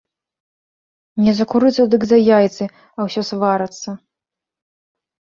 Не за курыцу, дык за яйцы, а ўсё сварацца.